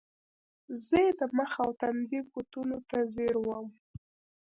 زۀ ئې د مخ او تندي کوتونو ته زیر ووم ـ